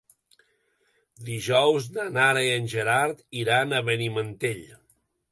Dijous na Nara i en Gerard iran a Benimantell.